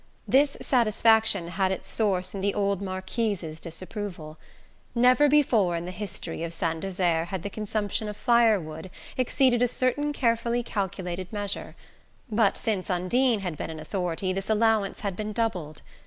This satisfaction had its source in the old Marquise's disapproval. Never before in the history of Saint Desert had the consumption of firewood exceeded a certain carefully calculated measure; but since Undine had been in authority this allowance had been doubled.